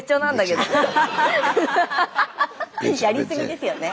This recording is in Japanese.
やり過ぎですよね。